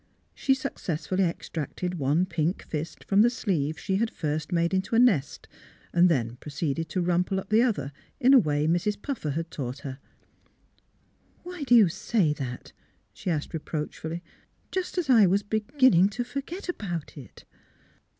She successfully extracted one pink fist from the sleeve she had first made into a nest ; then proceeded to rumple up the other in a way Mrs. Puffer had taught her. 334 THE HEART OF PHILURA << "VVliy do you say that," she asked, reproach fully, " just as I was beginning to forget about it?